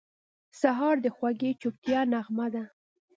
سهار د خوږې چوپتیا نغمه ده.